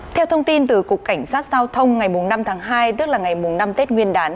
theo thông tin từ cục cảnh sát giao thông ngày năm tháng hai tức là ngày năm tết nguyên đán